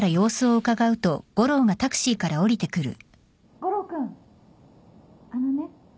悟郎君あのね。